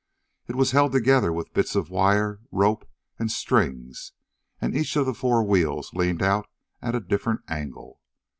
It was held together with bits of wire, rope and strings, and each of the four wheels leaned out at a different angle.